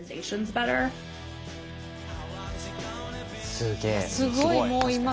すげえ。